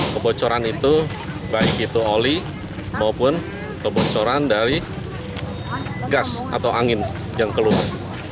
kebocoran itu baik itu oli maupun kebocoran dari gas atau angin yang keluar